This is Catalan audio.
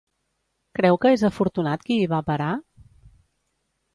Creu que és afortunat qui hi va a parar?